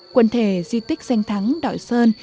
quần thể di tích danh thắng đoại sơn